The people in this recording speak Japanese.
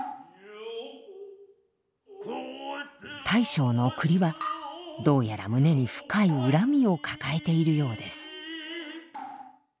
大将の栗はどうやら胸に深い恨みを抱えているようです。